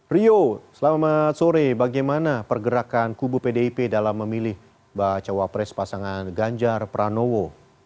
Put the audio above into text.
rio selamat sore bagaimana pergerakan kubu pdip dalam memilih bacawa pres pasangan ganjar pranowo